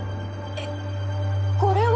えっこれは！